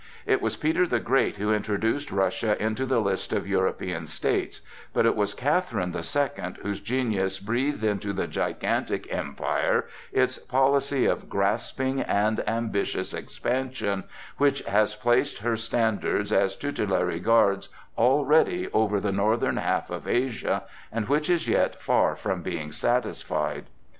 It was Peter the Great who introduced Russia into the list of European states, but it was Catherine the Second whose genius breathed into the gigantic empire its policy of grasping and ambitious expansion, which has placed her standards as tutelary guards already over the northern half of Asia, and which is yet far from being satisfied.